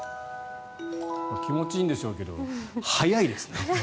気持ちいいんでしょうけど早いですね。